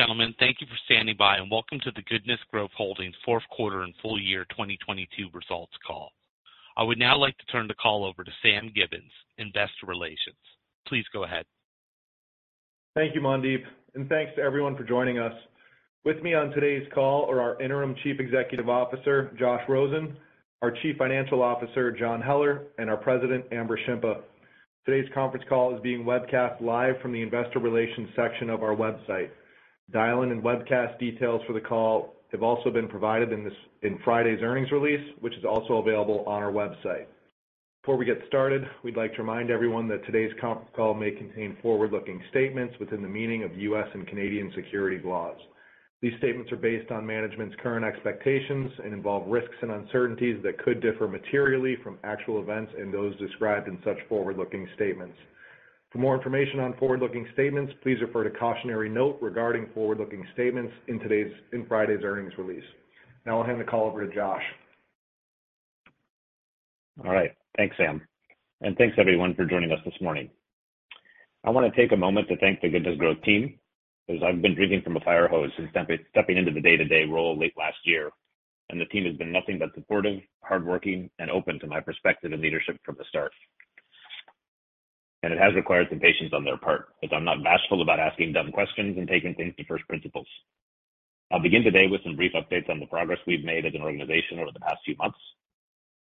Ladies and gentlemen, thank you for standing by, and welcome to the Goodness Growth Holdings fourth quarter and full year 2022 results call. I would now like to turn the call over to Sam Gibbons, Investor Relations. Please go ahead. Thank you, Mandeep, and thanks to everyone for joining us. With me on today's call are our Interim Chief Executive Officer, Josh Rosen, our Chief Financial Officer, John Heller, and our President, Amber Shimpa. Today's conference call is being webcast live from the investor relations section of our website. Dial-in and webcast details for the call have also been provided in Friday's earnings release, which is also available on our website. Before we get started, we'd like to remind everyone that today's call may contain forward-looking statements within the meaning of U.S. and Canadian securities laws. These statements are based on management's current expectations and involve risks and uncertainties that could differ materially from actual events and those described in such forward-looking statements. For more information on forward-looking statements, please refer to cautionary note regarding forward-looking statements in Friday's earnings release. I'll hand the call over to Josh. All right. Thanks, Sam. Thanks everyone for joining us this morning. I wanna take a moment to thank the Goodness Growth team as I've been drinking from a fire hose since stepping into the day-to-day role late last year, the team has been nothing but supportive, hardworking, and open to my perspective and leadership from the start. It has required some patience on their part, as I'm not bashful about asking dumb questions and taking things to first principles. I'll begin today with some brief updates on the progress we've made as an organization over the past few months,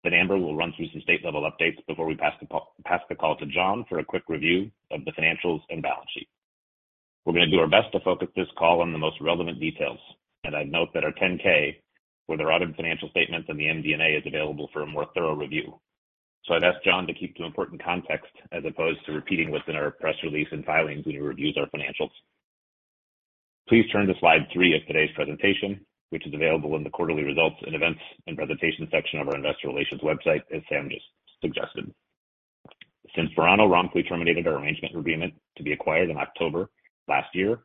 then Amber will run through some state-level updates before we pass the call to John for a quick review of the financials and balance sheet. We're gonna do our best to focus this call on the most relevant details. I'd note that our 10-K for the audit financial statements in the MD&A is available for a more thorough review. I'd ask John to keep to important context as opposed to repeating what's in our press release and filings when he reviews our financials. Please turn to slide three of today's presentation, which is available in the quarterly results and events and presentations section of our investor relations website, as Sam just suggested. Since Verano wrongfully terminated our arrangement agreement to be acquired in October last year,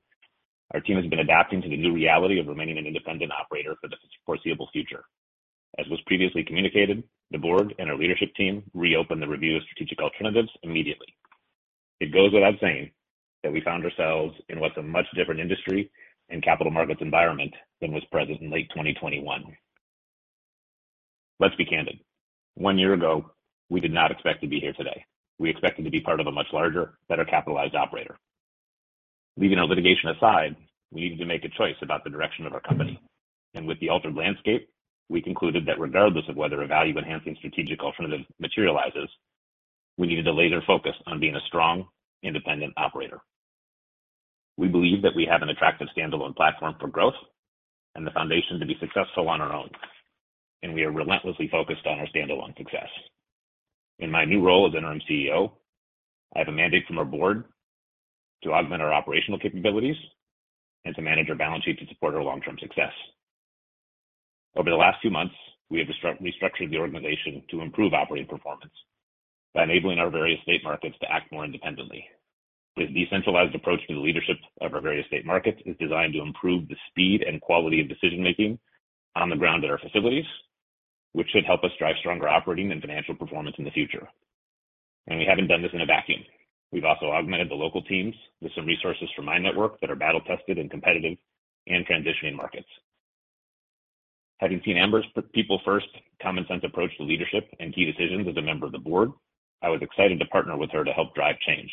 our team has been adapting to the new reality of remaining an independent operator for the foreseeable future. As was previously communicated, the board and our leadership team reopened the review of strategic alternatives immediately. It goes without saying that we found ourselves in what's a much different industry and capital markets environment than was present in late 2021. Let's be candid. One year ago, we did not expect to be here today. We expected to be part of a much larger, better capitalized operator. Leaving our litigation aside, we needed to make a choice about the direction of our company, and with the altered landscape, we concluded that regardless of whether a value-enhancing strategic alternative materializes, we needed to laser focus on being a strong independent operator. We believe that we have an attractive standalone platform for growth and the foundation to be successful on our own, and we are relentlessly focused on our standalone success. In my new role as Interim CEO, I have a mandate from our board to augment our operational capabilities and to manage our balance sheet to support our long-term success. Over the last few months, we have restructured the organization to improve operating performance by enabling our various state markets to act more independently. With decentralized approach to the leadership of our various state markets is designed to improve the speed and quality of decision-making on the ground at our facilities, which should help us drive stronger operating and financial performance in the future. We haven't done this in a vacuum. We've also augmented the local teams with some resources from my network that are battle-tested and competitive in transitioning markets. Having seen Amber's people first common sense approach to leadership and key decisions as a member of the board, I was excited to partner with her to help drive change.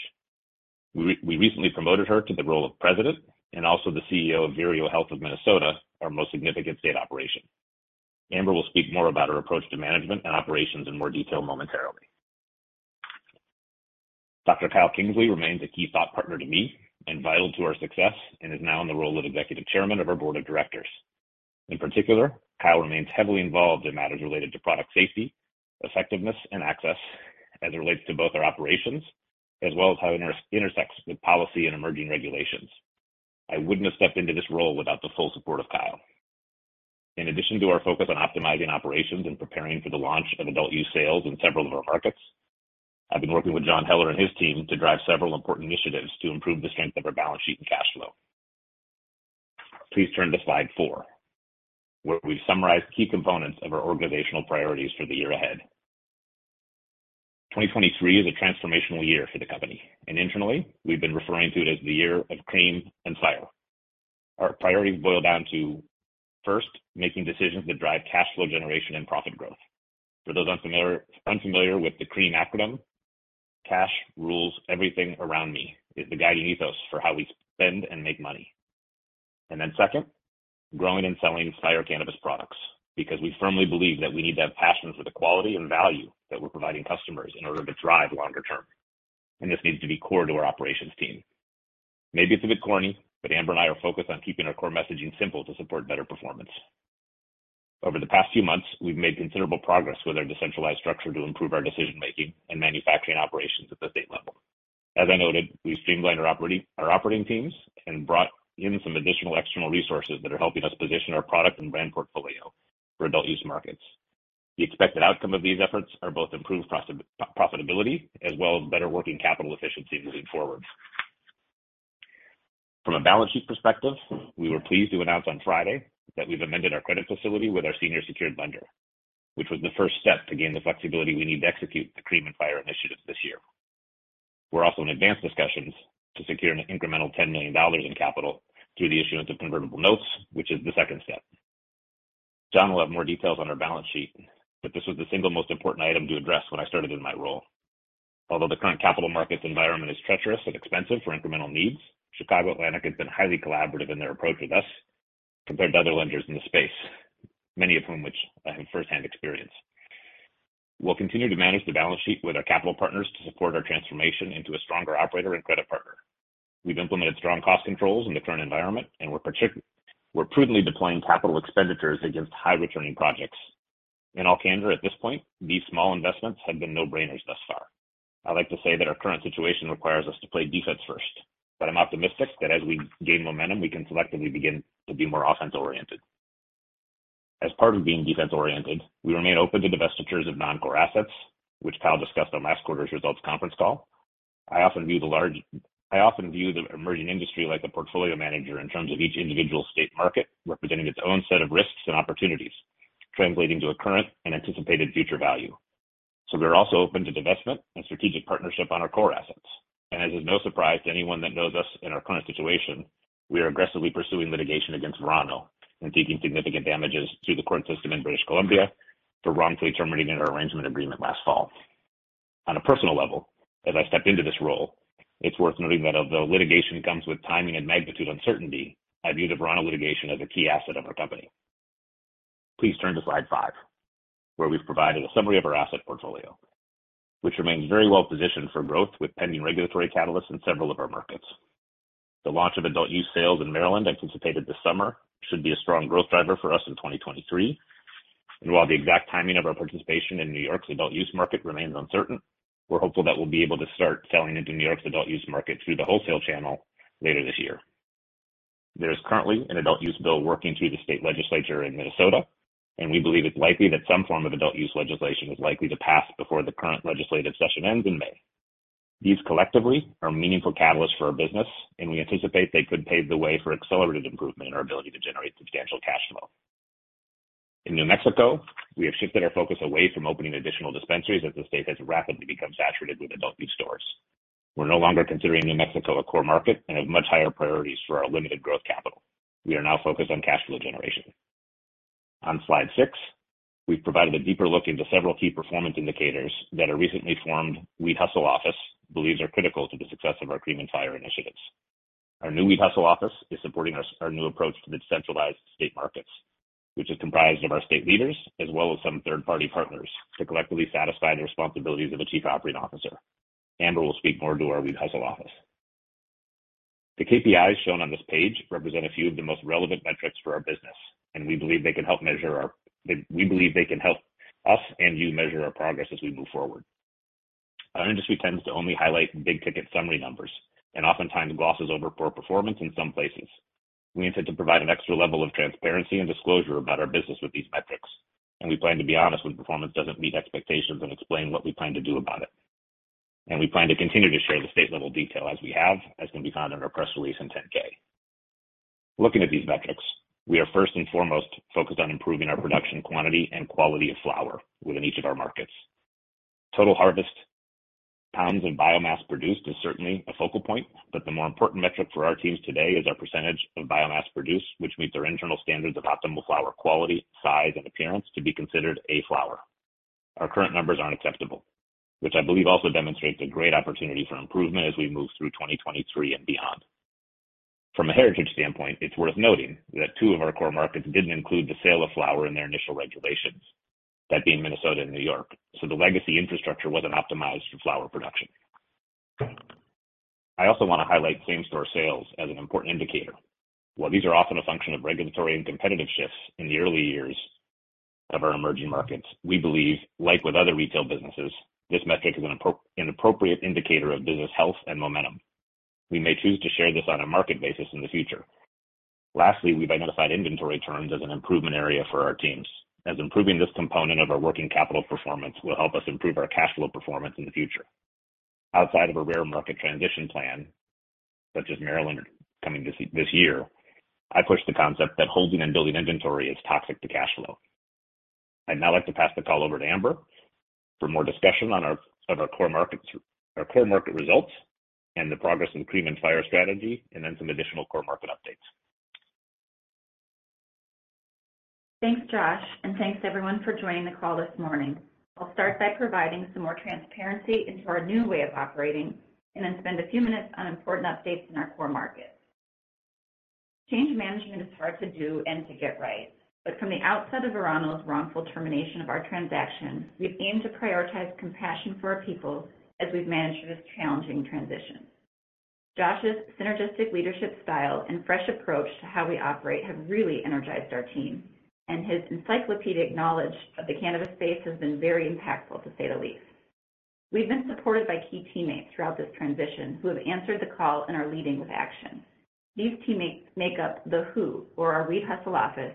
We recently promoted her to the role of President and also the CEO of Vireo Health of Minnesota, our most significant state operation. Amber will speak more about her approach to management and operations in more detail momentarily. Dr. Kyle Kingsley remains a key thought partner to me and vital to our success and is now in the role of Executive Chairman of our Board of Directors. Kyle remains heavily involved in matters related to product safety, effectiveness, and access as it relates to both our operations as well as how it intersects with policy and emerging regulations. I wouldn't have stepped into this role without the full support of Kyle. In addition to our focus on optimizing operations and preparing for the launch of adult-use sales in several of our markets, I've been working with John Heller and his team to drive several important initiatives to improve the strength of our balance sheet and cash flow. Please turn to slide four, where we've summarized key components of our organizational priorities for the year ahead. Twenty twenty-three is a transformational year for the company, and internally, we've been referring to it as the year of CREAM & Fire. Our priorities boil down to, first, making decisions that drive cash flow generation and profit growth. For those unfamiliar with the CREAM acronym, Cash Rules Everything Around Me is the guiding ethos for how we spend and make money. Second, growing and selling Fire cannabis products because we firmly believe that we need to have passions for the quality and value that we're providing customers in order to drive longer term, and this needs to be core to our operations team. Maybe it's a bit corny, but Amber and I are focused on keeping our core messaging simple to support better performance. Over the past few months, we've made considerable progress with our decentralized structure to improve our decision-making and manufacturing operations at the state level. As I noted, we've streamlined our operating teams and brought in some additional external resources that are helping us position our product and brand portfolio for adult-use markets. The expected outcome of these efforts are both improved profitability as well as better working capital efficiency moving forward. From a balance sheet perspective, we were pleased to announce on Friday that we've amended our credit facility with our senior secured lender, which was the first step to gain the flexibility we need to execute the CREAM & Fire initiatives this year. We're also in advanced discussions to secure an incremental $10 million in capital through the issuance of convertible notes, which is the second step. John will have more details on our balance sheet, but this was the single most important item to address when I started in my role. Although the current capital markets environment is treacherous and expensive for incremental needs, Chicago Atlantic has been highly collaborative in their approach with us compared to other lenders in the space, many of whom which I have first-hand experience. We'll continue to manage the balance sheet with our capital partners to support our transformation into a stronger operator and credit partner. We've implemented strong cost controls in the current environment, and we're prudently deploying CapEx against high-returning projects. In all candor at this point, these small investments have been no-brainers thus far. I like to say that our current situation requires us to play defense first, but I'm optimistic that as we gain momentum, we can selectively begin to be more offense-oriented. As part of being defense-oriented, we remain open to divestitures of non-core assets, which Kyle discussed on last quarter's results conference call. I often view the emerging industry like a portfolio manager in terms of each individual state market, representing its own set of risks and opportunities, translating to a current and anticipated future value. We're also open to divestment and strategic partnership on our core assets. As is no surprise to anyone that knows us in our current situation, we are aggressively pursuing litigation against Verano and seeking significant damages through the court system in British Columbia for wrongfully terminating in our arrangement agreement last fall. On a personal level, as I stepped into this role, it's worth noting that although litigation comes with timing and magnitude uncertainty, I view the Verano litigation as a key asset of our company. Please turn to slide five, where we've provided a summary of our asset portfolio, which remains very well-positioned for growth with pending regulatory catalysts in several of our markets. The launch of adult-use sales in Maryland anticipated this summer should be a strong growth driver for us in 2023. While the exact timing of our participation in New York's adult-use market remains uncertain, we're hopeful that we'll be able to start selling into New York's adult-use market through the wholesale channel later this year. There is currently an adult-use bill working through the state legislature in Minnesota, and we believe it's likely that some form of adult-use legislation is likely to pass before the current legislative session ends in May. These collectively are meaningful catalysts for our business, and we anticipate they could pave the way for accelerated improvement in our ability to generate substantial cash flow. In New Mexico, we have shifted our focus away from opening additional dispensaries as the state has rapidly become saturated with adult-use stores. We're no longer considering New Mexico a core market and have much higher priorities for our limited growth capital. We are now focused on cash flow generation. On slide six, we've provided a deeper look into several key performance indicators that a recently formed Weed Hustle Office believes are critical to the success of our CREAM & Fire initiatives. Our new Weed Hustle Office is supporting us. Our new approach to the decentralized state markets, which is comprised of our state leaders as well as some third-party partners to collectively satisfy the responsibilities of a chief operating officer. Amber will speak more to our Weed Hustle Office. The KPIs shown on this page represent a few of the most relevant metrics for our business, and we believe they can help measure our, we believe they can help us and you measure our progress as we move forward. Our industry tends to only highlight big-ticket summary numbers and oftentimes glosses over poor performance in some places. We intend to provide an extra level of transparency and disclosure about our business with these metrics, and we plan to be honest when performance doesn't meet expectations and explain what we plan to do about it. We plan to continue to share the state-level detail as we have, as can be found in our press release in 10-K. Looking at these metrics, we are first and foremost focused on improving our production quantity and quality of flower within each of our markets. Total harvest, pounds and biomass produced is certainly a focal point, but the more important metric for our teams today is our percentage of biomass produced, which meets our internal standards of optimal flower quality, size, and appearance to be considered A Flower. Our current numbers aren't acceptable, which I believe also demonstrates a great opportunity for improvement as we move through 2023 and beyond. From a heritage standpoint, it's worth noting that two of our core markets didn't include the sale of Flower in their initial regulations, that being Minnesota and New York, so the legacy infrastructure wasn't optimized for Flower production. I also want to highlight same-store sales as an important indicator. While these are often a function of regulatory and competitive shifts in the early years of our emerging markets, we believe, like with other retail businesses, this metric is an appropriate indicator of business health and momentum. We may choose to share this on a market basis in the future. Lastly, we've identified inventory turns as an improvement area for our teams, as improving this component of our working capital performance will help us improve our cash flow performance in the future. Outside of a rare market transition plan, such as Maryland coming this year, I push the concept that holding and building inventory is toxic to cash flow. I'd now like to pass the call over to Amber for more discussion of our core market results and the progress in the CREAM & Fire strategy, and then some additional core market updates. Thanks, Josh, and thanks everyone for joining the call this morning. I'll start by providing some more transparency into our new way of operating, and then spend a few minutes on important updates in our core markets. Change management is hard to do and to get right, but from the outset of Verano's wrongful termination of our transaction, we've aimed to prioritize compassion for our people as we've managed this challenging transition. Josh's synergistic leadership style and fresh approach to how we operate have really energized our team, and his encyclopedic knowledge of the cannabis space has been very impactful, to say the least. We've been supported by key teammates throughout this transition who have answered the call and are leading with action. These teammates make up the WHO, or our Weed Hustle Office.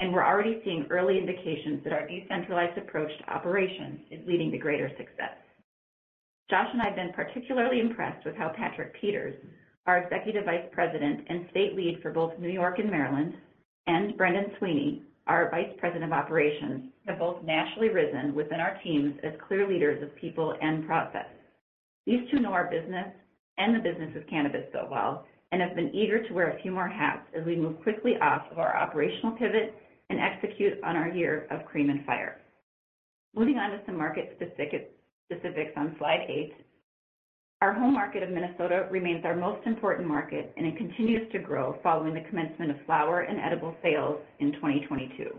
We're already seeing early indications that our decentralized approach to operations is leading to greater success. Josh and I have been particularly impressed with how Patrick Peters, our Executive Vice President and state lead for both New York and Maryland, and Brendan Sweeny, our Vice President of Operations, have both naturally risen within our teams as clear leaders of people and process. These two know our business and the business of cannabis so well. Have been eager to wear a few more hats as we move quickly off of our operational pivot and execute on our year of CREAM & Fire. Moving on to some market specifics on slide eight. Our home market of Minnesota remains our most important market. It continues to grow following the commencement of Flower and edible sales in 2022.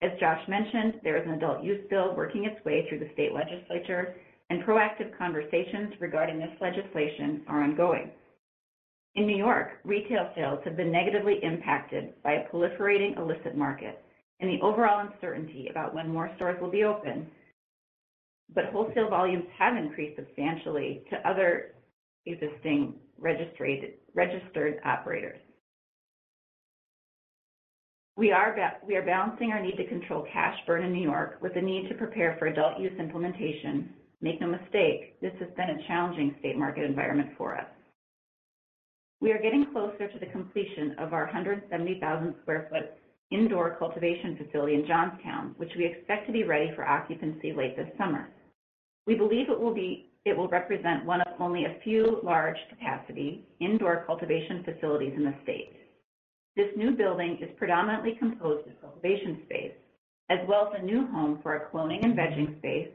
As Josh mentioned, there is an adult-use bill working its way through the state legislature, and proactive conversations regarding this legislation are ongoing. In New York, retail sales have been negatively impacted by a proliferating illicit market and the overall uncertainty about when more stores will be open. Wholesale volumes have increased substantially to other existing registered operators. We are balancing our need to control cash burn in New York with the need to prepare for adult-use implementation. Make no mistake, this has been a challenging state market environment for us. We are getting closer to the completion of our 170,000 sq ft indoor cultivation facility in Johnstown, which we expect to be ready for occupancy late this summer. We believe it will represent one of only a few large capacity indoor cultivation facilities in the state. This new building is predominantly composed of cultivation space, as well as a new home for our cloning and vegging space,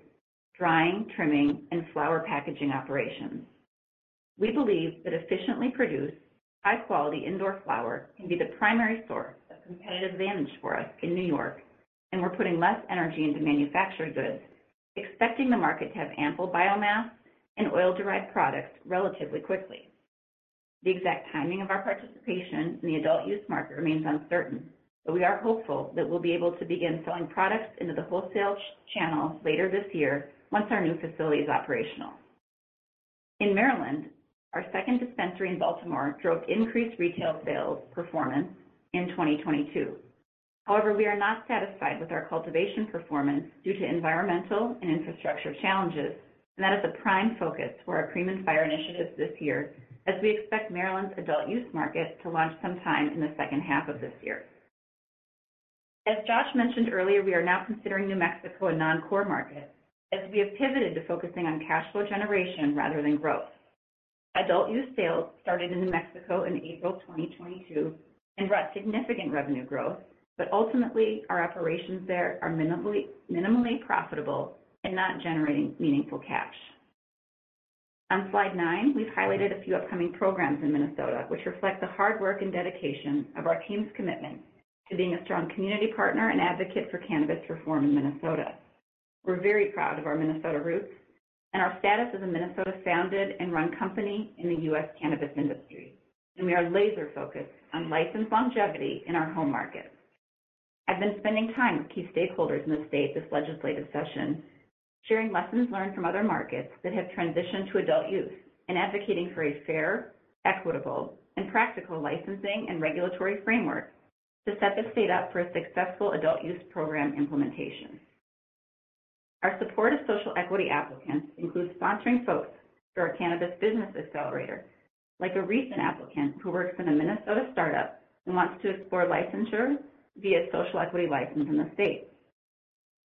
drying, trimming, and flower packaging operations. We believe that efficiently produced, high-quality indoor flower can be the primary source of competitive advantage for us in New York, and we're putting less energy into manufactured goods, expecting the market to have ample biomass and oil-derived products relatively quickly. The exact timing of our participation in the adult-use market remains uncertain, but we are hopeful that we'll be able to begin selling products into the wholesale channel later this year once our new facility is operational. In Maryland, our second dispensary in Baltimore drove increased retail sales performance in 2022. However, we are not satisfied with our cultivation performance due to environmental and infrastructure challenges, and that is a prime focus for our CREAM & Fire initiative this year, as we expect Maryland's adult-use market to launch sometime in the second half of this year. As Josh mentioned earlier, we are now considering New Mexico a non-core market as we have pivoted to focusing on cash flow generation rather than growth. Adult-use sales started in New Mexico in April 2022 and brought significant revenue growth, but ultimately, our operations there are minimally profitable and not generating meaningful cash. On slide nine, we've highlighted a few upcoming programs in Minnesota which reflect the hard work and dedication of our team's commitment to being a strong community partner and advocate for cannabis reform in Minnesota. We're very proud of our Minnesota roots and our status as a Minnesota-founded and run company in the U.S. cannabis industry, and we are laser-focused on license longevity in our home market. I've been spending time with key stakeholders in the state this legislative session, sharing lessons learned from other markets that have transitioned to adult-use and advocating for a fair, equitable, and practical licensing and regulatory framework to set the state up for a successful adult-use program implementation. Our support of social equity applicants includes sponsoring folks through our cannabis business accelerator, like a recent applicant who works in a Minnesota startup and wants to explore licensure via social equity license in the state.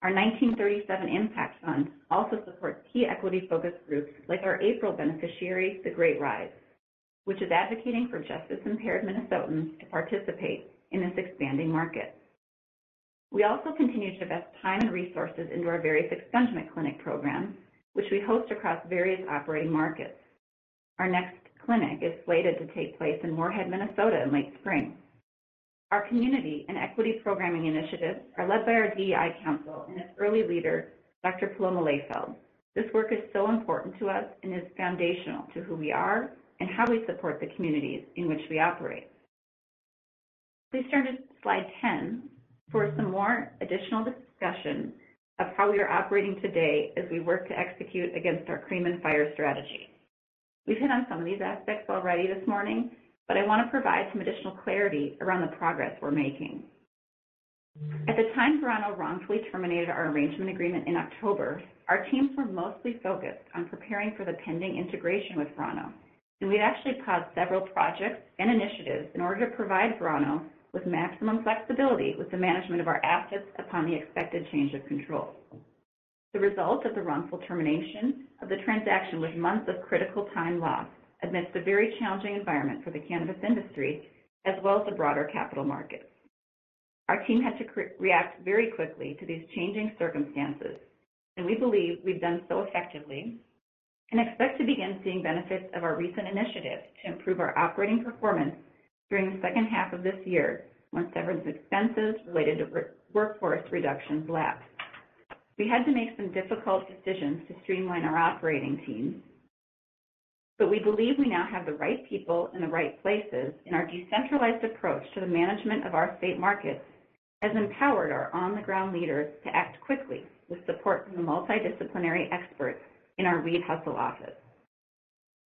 Our 1937 Impact Fund also supports key equity-focused groups like our April beneficiary, The Great Rise, which is advocating for justice-impaired Minnesotans to participate in this expanding market. We also continue to invest time and resources into our various expungement clinic programs, which we host across various operating markets. Our next clinic is slated to take place in Moorhead, Minnesota in late spring. Our community and equity programming initiatives are led by our DEI council and its early leader, Dr. Paloma Lehfeldt. This work is so important to us and is foundational to who we are and how we support the communities in which we operate. Please turn to slide 10 for some more additional discussion of how we are operating today as we work to execute against our CREAM & Fire strategy. We've hit on some of these aspects already this morning, I want to provide some additional clarity around the progress we're making. At the time Verano wrongfully terminated our arrangement agreement in October, our teams were mostly focused on preparing for the pending integration with Verano, and we had actually paused several projects and initiatives in order to provide Verano with maximum flexibility with the management of our assets upon the expected change of control. The result of the wrongful termination of the transaction was months of critical time lost amidst a very challenging environment for the cannabis industry as well as the broader capital markets. Our team had to react very quickly to these changing circumstances, and we believe we've done so effectively and expect to begin seeing benefits of our recent initiatives to improve our operating performance during the second half of this year once severance expenses related to workforce reductions lapse. We had to make some difficult decisions to streamline our operating teams, but we believe we now have the right people in the right places, and our decentralized approach to the management of our state markets has empowered our on-the-ground leaders to act quickly with support from the multidisciplinary experts in our Weed Hustle Office.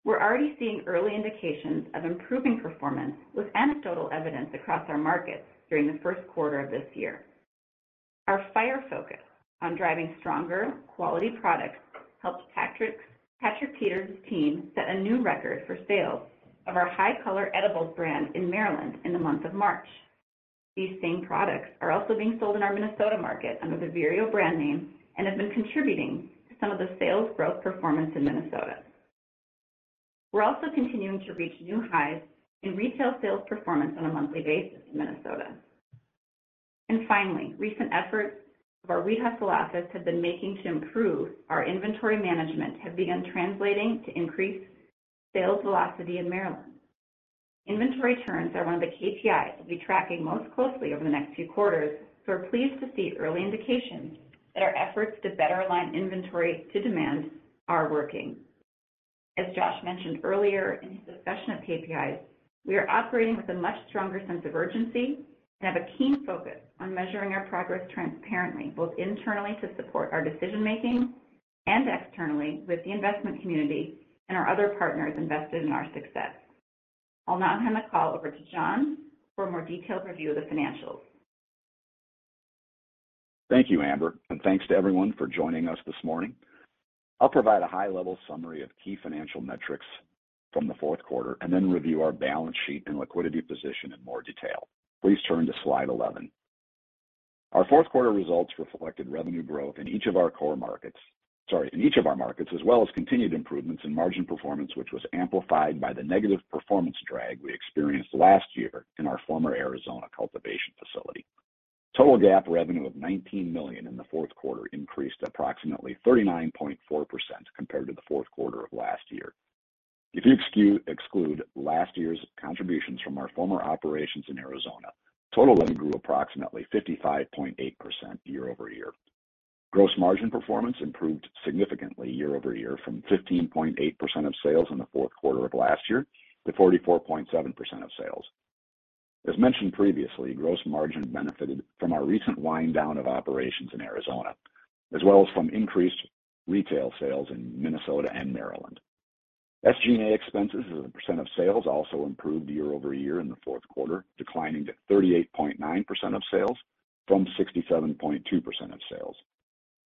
We're already seeing early indications of improving performance with anecdotal evidence across our markets during the first quarter of this year. Our Fire focus on driving stronger quality products helped Patrick Peters' team set a new record for sales of our Hi-Color edibles brand in Maryland in the month of March. These same products are also being sold in our Minnesota market under the Vireo brand name and have been contributing to some of the sales growth performance in Minnesota. We're also continuing to reach new highs in retail sales performance on a monthly basis in Minnesota. Finally, recent efforts of our retail assets have been making to improve our inventory management have begun translating to increased sales velocity in Maryland. Inventory turns are one of the KPIs we'll be tracking most closely over the next few quarters, so we're pleased to see early indications that our efforts to better align inventory to demand are working. As Josh mentioned earlier in his discussion of KPIs, we are operating with a much stronger sense of urgency and have a keen focus on measuring our progress transparently, both internally to support our decision-making and externally with the investment community and our other partners invested in our success. I'll now hand the call over to John for a more detailed review of the financials. Thank you, Amber, and thanks to everyone for joining us this morning. I'll provide a high-level summary of key financial metrics from the fourth quarter and then review our balance sheet and liquidity position in more detail. Please turn to slide 11. Our fourth quarter results reflected revenue growth in each of our core markets. Sorry, in each of our markets, as well as continued improvements in margin performance, which was amplified by the negative performance drag we experienced last year in our former Arizona cultivation facility. Total GAAP revenue of $19 million in the fourth quarter increased approximately 39.4% compared to the fourth quarter of last year. If you exclude last year's contributions from our former operations in Arizona, total revenue grew approximately 55.8% year-over-year. Gross margin performance improved significantly year-over-year from 15.8% of sales in the fourth quarter of last year to 44.7% of sales. As mentioned previously, gross margin benefited from our recent wind down of operations in Arizona, as well as from increased retail sales in Minnesota and Maryland. SG&A expenses as a percentage of sales also improved year-over-year in the fourth quarter, declining to 38.9% of sales from 67.2% of sales.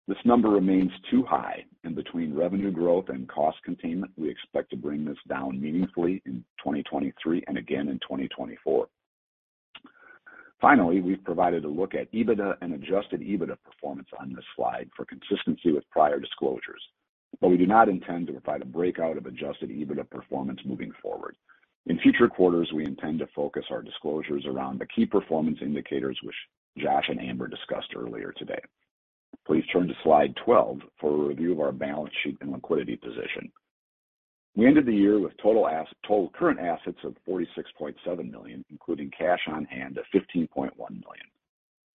This number remains too high. Between revenue growth and cost containment, we expect to bring this down meaningfully in 2023 and again in 2024. Finally, we've provided a look at EBITDA and adjusted EBITDA performance on this slide for consistency with prior disclosures. We do not intend to provide a breakout of adjusted EBITDA performance moving forward. In future quarters, we intend to focus our disclosures around the key performance indicators which Josh and Amber discussed earlier today. Please turn to slide 12 for a review of our balance sheet and liquidity position. We ended the year with total current assets of $46.7 million, including cash on hand of $15.1 million.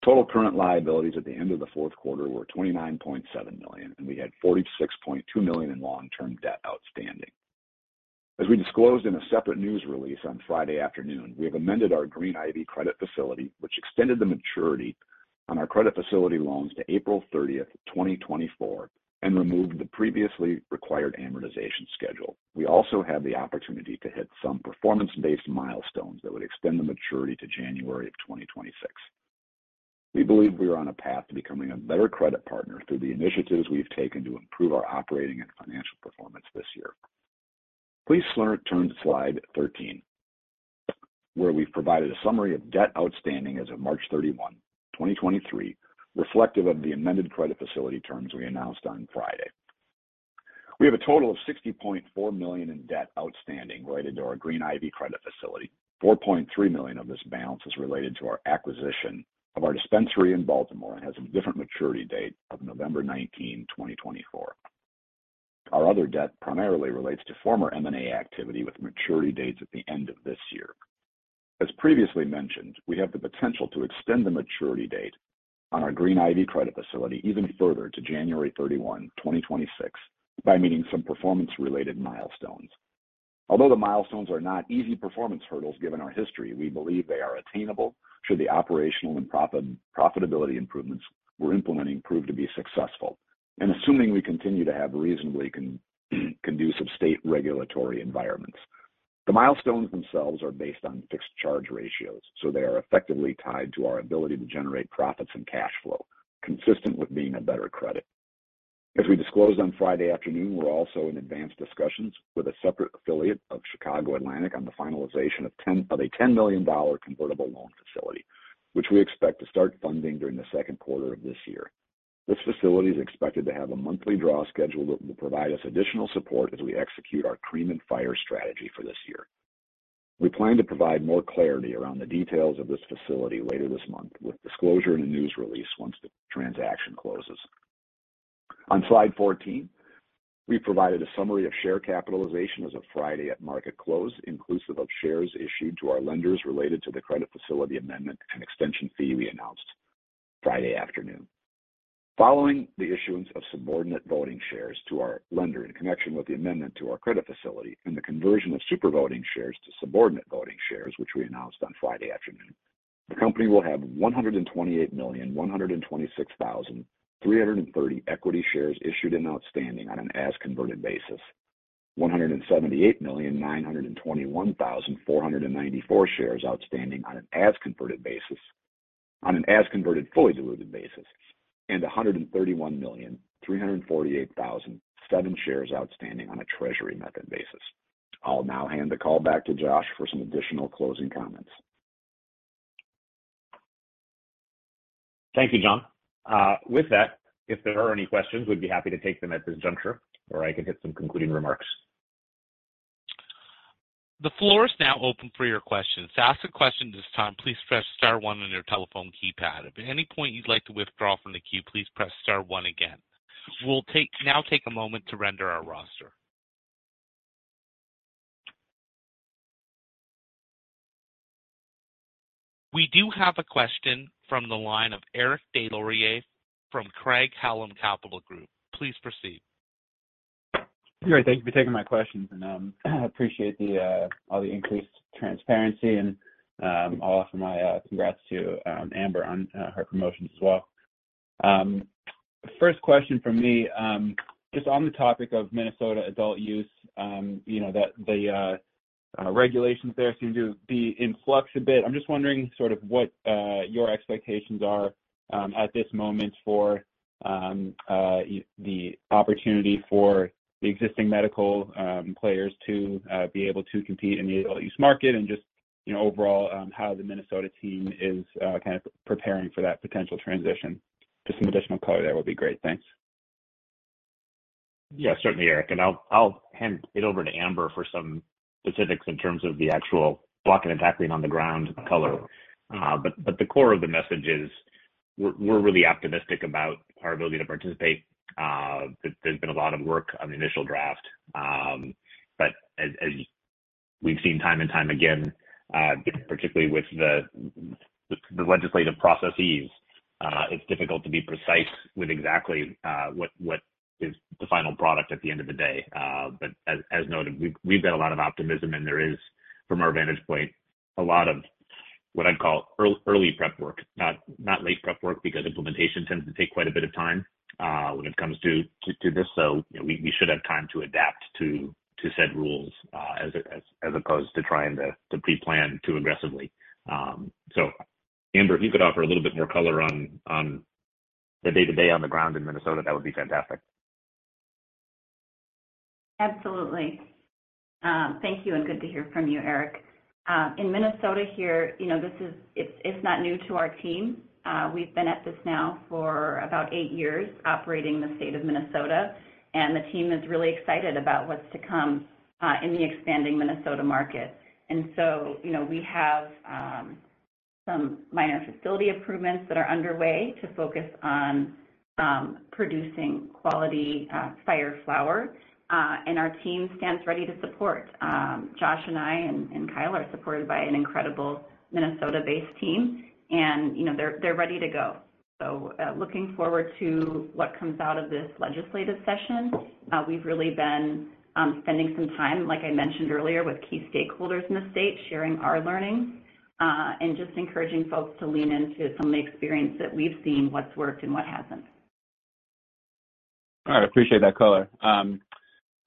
Total current liabilities at the end of the fourth quarter were $29.7 million, and we had $46.2 million in long-term debt outstanding. As we disclosed in a separate news release on Friday afternoon, we have amended our Green Ivy credit facility, which extended the maturity on our credit facility loans to April 30th, 2024, and removed the previously required amortization schedule. We also have the opportunity to hit some performance-based milestones that would extend the maturity to January of 2026. We believe we are on a path to becoming a better credit partner through the initiatives we've taken to improve our operating and financial performance this year. Please turn to slide 13, where we've provided a summary of debt outstanding as of March 31, 2023, reflective of the amended credit facility terms we announced on Friday. We have a total of $60.4 million in debt outstanding related to our Green Ivy credit facility. $4.3 million of this balance is related to our acquisition of our dispensary in Baltimore and has a different maturity date of November 19, 2024. Our other debt primarily relates to former M&A activity with maturity dates at the end of this year. As previously mentioned, we have the potential to extend the maturity date on our Green Ivy credit facility even further to January 31, 2026, by meeting some performance-related milestones. Although the milestones are not easy performance hurdles given our history, we believe they are attainable should the operational and profitability improvements we're implementing prove to be successful and assuming we continue to have reasonably conducive state regulatory environments. The milestones themselves are based on fixed charge ratios, so they are effectively tied to our ability to generate profits and cash flow consistent with being a better credit. As we disclosed on Friday afternoon, we're also in advanced discussions with a separate affiliate of Chicago Atlantic on the finalization of a $10 million convertible loan facility, which we expect to start funding during the second quarter of this year. This facility is expected to have a monthly draw schedule that will provide us additional support as we execute our CREAM & Fire strategy for this year. We plan to provide more clarity around the details of this facility later this month with disclosure in a news release once the transaction closes. On slide 14, we provided a summary of share capitalization as of Friday at market close, inclusive of shares issued to our lenders related to the credit facility amendment and extension fee we announced Friday afternoon. Following the issuance of Subordinate Voting Shares to our lender in connection with the amendment to our credit facility and the conversion of Super Voting Shares to Subordinate Voting Shares, which we announced on Friday afternoon, the company will have 128,126,330 equity shares issued and outstanding on an as converted basis and 178,921,494 shares outstanding on an as converted basis. On an as converted, fully diluted basis and 131,348,007 shares outstanding on a treasury method basis. I'll now hand the call back to Josh for some additional closing comments. Thank you, John. With that, if there are any questions, we'd be happy to take them at this juncture, or I can hit some concluding remarks. The floor is now open for your questions. To ask a question at this time, please press star one on your telephone keypad. If at any point you'd like to withdraw from the queue, please press star one again. We'll now take a moment to render our roster. We do have a question from the line of Eric Des Lauriers from Craig-Hallum Capital Group. Please proceed. Great. Thank you for taking my questions and, appreciate the all the increased transparency and, I'll offer my congrats to Amber on her promotion as well. First question from me, just on the topic of Minnesota adult-use. You know, the regulations there seem to be in flux a bit. I'm just wondering sort of what your expectations are at this moment for the opportunity for the existing medical players to be able to compete in the adult-use market and just, you know, overall, how the Minnesota team is kind of preparing for that potential transition. Just some additional color there would be great. Thanks. Certainly, Eric, and I'll hand it over to Amber for some specifics in terms of the actual blocking and tackling on the ground color. The core of the message is we're really optimistic about our ability to participate. There's been a lot of work on the initial draft. As we've seen time and time again, particularly with the legislative processes, it's difficult to be precise with exactly what is the final product at the end of the day. As noted, we've got a lot of optimism, and there is, from our vantage point, a lot of what I'd call early prep work, not late prep work, because implementation tends to take quite a bit of time, when it comes to this. You know, we should have time to adapt to said rules, as opposed to trying to pre-plan too aggressively. Amber, if you could offer a little bit more color on the day-to-day on the ground in Minnesota, that would be fantastic. Absolutely. Thank you, and good to hear from you, Eric. In Minnesota here, you know, it's not new to our team. We've been at this now for about eight years, operating in the state of Minnesota, the team is really excited about what's to come in the expanding Minnesota market. You know, we have some minor facility improvements that are underway to focus on producing quality Fire flower, our team stands ready to support. Josh and I and Kyle are supported by an incredible Minnesota-based team. You know, they're ready to go. Looking forward to what comes out of this legislative session. we've really been spending some time, like I mentioned earlier, with key stakeholders in the state, sharing our learnings, and just encouraging folks to lean into some of the experience that we've seen, what's worked and what hasn't. All right. Appreciate that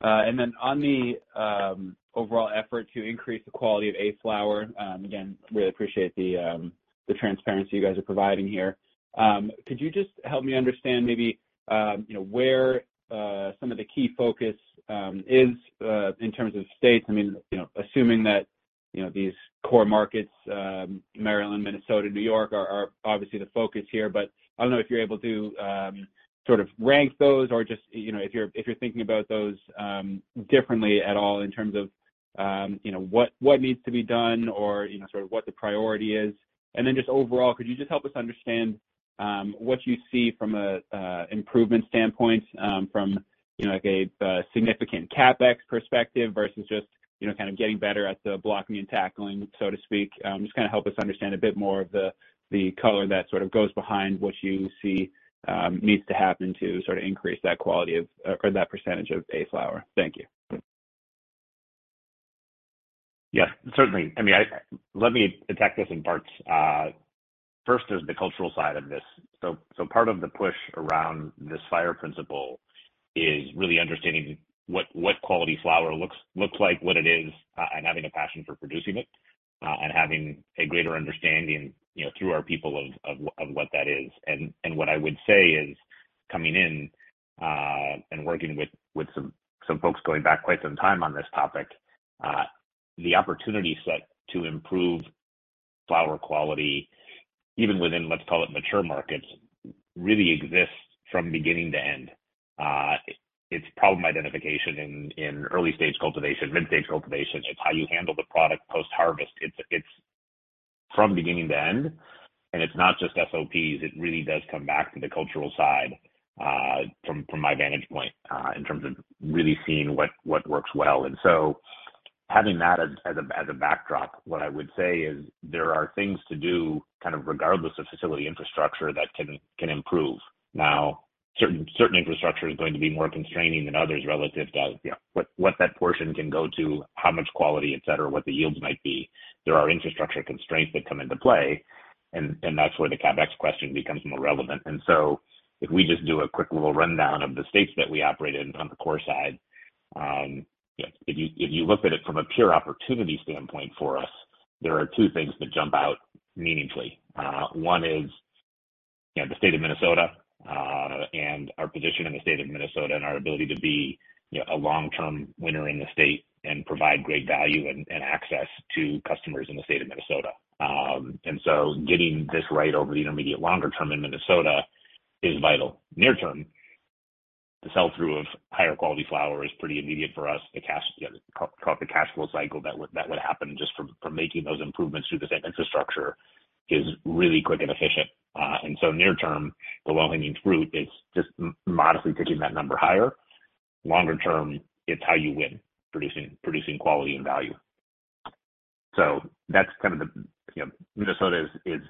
color. On the overall effort to increase the quality of A Flower, again, really appreciate the transparency you guys are providing here. Could you just help me understand maybe, you know, where some of the key focus is in terms of states? I mean, you know, assuming that, you know, these core markets, Maryland, Minnesota, New York are obviously the focus here, but I don't know if you're able to sort of rank those or just, you know, if you're thinking about those differently at all in terms of, you know, what needs to be done or, you know, sort of what the priority is. Just overall, could you just help us understand what you see from a improvement standpoint, from, you know, like a significant CapEx perspective versus just, you know, kind of getting better at the blocking and tackling, so to speak. Just kind of help us understand a bit more of the color that sort of goes behind what you see needs to happen to sort of increase that quality of, or that percentage of A Flower. Thank you. Certainly. I mean, let me attack this in parts. First, there's the cultural side of this. Part of the push around this Fire principle is really understanding what quality flower looks like, what it is, and having a passion for producing it, and having a greater understanding, you know, through our people of what that is. What I would say is coming in, and working with some folks going back quite some time on this topic, the opportunity set to improve flower quality, even within, let's call it mature markets, really exists from beginning to end. It's problem identification in early-stage cultivation, mid-stage cultivation. It's how you handle the product post-harvest. It's from beginning to end, and it's not just SOPs. It really does come back to the cultural side, from my vantage point, in terms of really seeing what works well. Having that as a backdrop, what I would say is there are things to do kind of regardless of facility infrastructure that can improve. Now, certain infrastructure is going to be more constraining than others relative to, you know, what that portion can go to, how much quality, et cetera, what the yields might be. There are infrastructure constraints that come into play, and that's where the CapEx question becomes more relevant. If we just do a quick little rundown of the states that we operate in on the core side, if you look at it from a pure opportunity standpoint for us, there are two things that jump out meaningfully. One is, you know, the state of Minnesota, and our position in the state of Minnesota and our ability to be, you know, a long-term winner in the state and provide great value and access to customers in the state of Minnesota. Getting this right over the intermediate longer term in Minnesota is vital. Near term, the sell-through of higher quality Flower is pretty immediate for us. The cash, you know, the cash flow cycle that would happen just from making those improvements to the same infrastructure is really quick and efficient. Near term, the low-hanging fruit is just modestly taking that number higher. Longer term, it's how you win producing quality and value. That's kind of the—you know, Minnesota is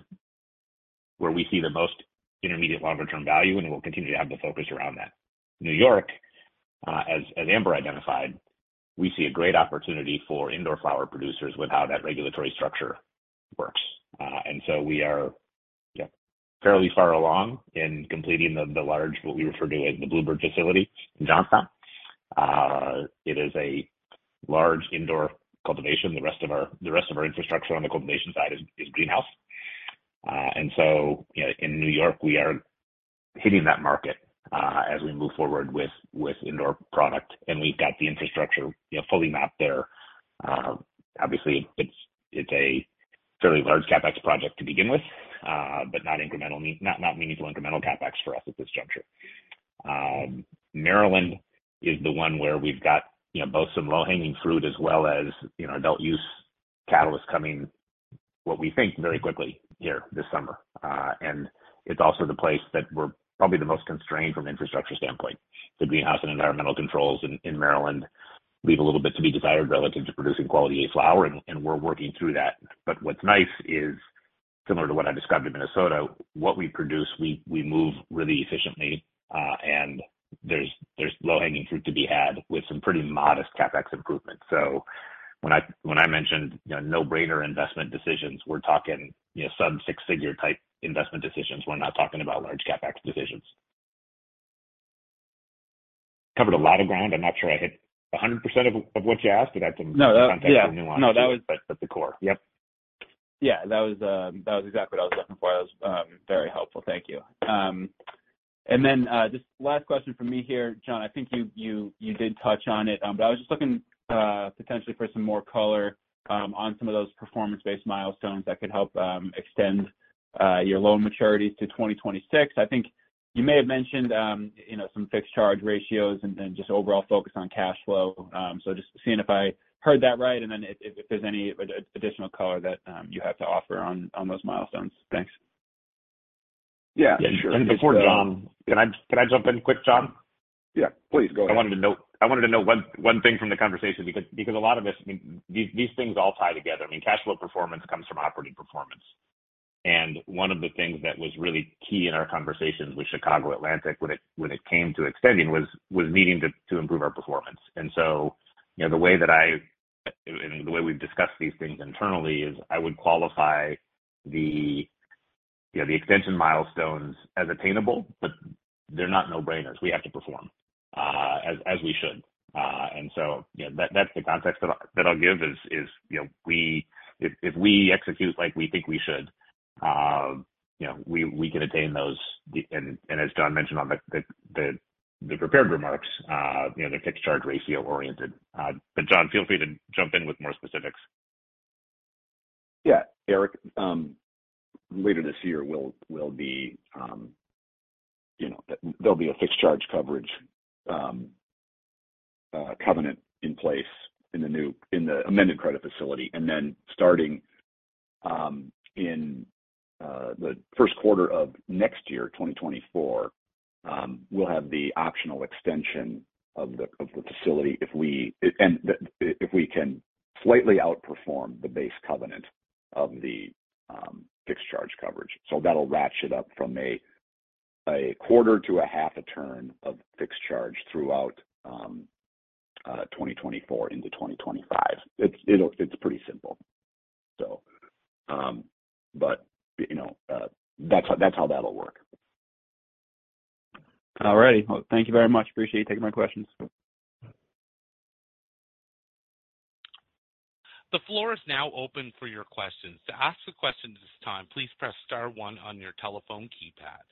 where we see the most intermediate longer term value, and we'll continue to have the focus around that. New York, as Amber identified, we see a great opportunity for indoor Flower producers with how that regulatory structure works. We are, yeah, fairly far along in completing the large, what we refer to as the Bluebird facility in Johnstown. It is a large indoor cultivation. The rest of our infrastructure on the cultivation side is greenhouse. In New York, we are hitting that market as we move forward with indoor product, and we've got the infrastructure, you know, fully mapped there. Obviously it's a fairly large CapEx project to begin with, but not meaningful incremental CapEx for us at this juncture. Maryland is the one where we've got, you know, both some low-hanging fruit as well as, you know, adult-use catalysts coming, what we think very quickly here this summer. It's also the place that we're probably the most constrained from infrastructure standpoint. The greenhouse and environmental controls in Maryland leave a little bit to be desired relative to producing quality A Flower, and we're working through that. What's nice is similar to what I described in Minnesota, what we produce, we move really efficiently, and there's low-hanging fruit to be had with some pretty modest CapEx improvements. When I, when I mentioned, you know, no-brainer investment decisions, we're talking, you know, sub six-figure type investment decisions. We're not talking about large CapEx decisions. Covered a lot of ground. I'm not sure I hit 100% of what you asked. No, that—yeah. Context the nuance. No, that was— The core. Yep. Yeah. That was, that was exactly what I was looking for. That was very helpful. Thank you. Then, just last question from me here, John. I think you did touch on it. I was just looking, potentially for some more color, on some of those performance-based milestones that could help extend your loan maturities to 2026. I think you may have mentioned, you know, some fixed charge ratios and just overall focus on cash flow. Just seeing if I heard that right and then if there's any additional color that you have to offer on those milestones. Thanks. Yeah, sure. Before John, can I jump in quick, John? Yeah, please go ahead. I wanted to know one thing from the conversation because a lot of this, I mean, these things all tie together. I mean, cash flow performance comes from operating performance. One of the things that was really key in our conversations with Chicago Atlantic when it came to extending was needing to improve our performance. You know, the way we've discussed these things internally is I would qualify the, you know, the extension milestones as attainable, but they're not no-brainers. We have to perform, as we should. You know, that's the context that I, that I'll give is, you know, if we execute like we think we should, we can attain those. As John mentioned on the, the prepared remarks, you know, they're fixed charge ratio oriented. John, feel free to jump in with more specifics. Yeah. Eric, later this year, we'll be, you know, there'll be a fixed charge coverage covenant in place in the amended credit facility. Starting in the first quarter of next year, 2024, we'll have the optional extension of the, of the facility if we can slightly outperform the base covenant of the fixed charge coverage. That'll ratchet up from a quarter to a half a turn of fixed charge throughout 2024 into 2025. It's pretty simple. You know, that's how that'll work. All right. Well, thank you very much. Appreciate you taking my questions. The floor is now open for your questions. To ask a question at this time, please press star one on your telephone keypad.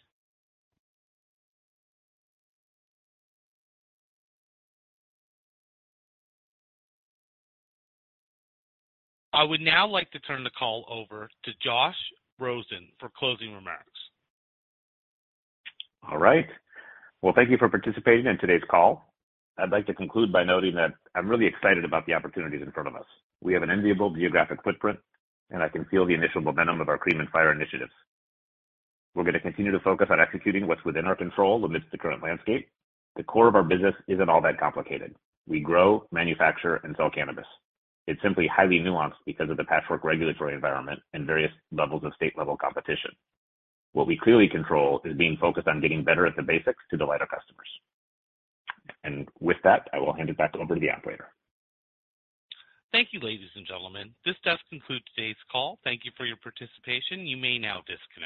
I would now like to turn the call over to Josh Rosen for closing remarks. All right. Well, thank you for participating in today's call. I'd like to conclude by noting that I'm really excited about the opportunities in front of us. We have an enviable geographic footprint. I can feel the initial momentum of our CREAM & Fire initiatives. We're gonna continue to focus on executing what's within our control amidst the current landscape. The core of our business isn't all that complicated. We grow, manufacture, and sell cannabis. It's simply highly nuanced because of the patchwork regulatory environment and various levels of state-level competition. What we clearly control is being focused on getting better at the basics to delight our customers. With that, I will hand it back over to the operator. Thank you, ladies and gentlemen. This does conclude today's call. Thank you for your participation. You may now disconnect.